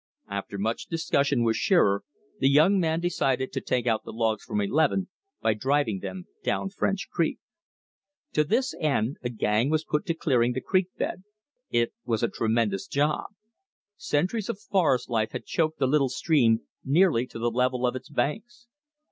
After much discussion with Shearer the young man decided to take out the logs from eleven by driving them down French Creek. To this end a gang was put to clearing the creekbed. It was a tremendous job. Centuries of forest life had choked the little stream nearly to the level of its banks.